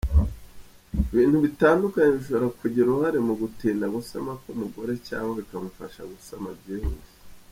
Ibintu bitandukanye bishobora kugira uruhare mu gutinda gusama ku mugore, cyangwa bikamufasha gusama byihuse.